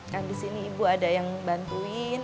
kan disini ibu ada yang bantuin